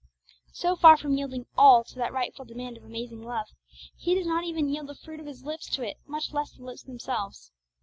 So far from yielding 'all' to that rightful demand of amazing love, he does not even yield the fruit of his lips to it, much less the lips themselves.